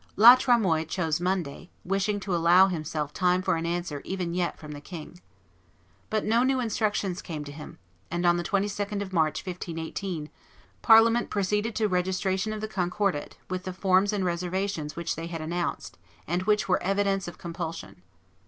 La Tremoille chose Monday, wishing to allow himself time for an answer even yet from the king. But no new instructions came to him; and on the 22d of March, 1518, Parliament proceeded to registration of the Concordat, with the forms and reservations which they had announced, and which were evidence of compulsion.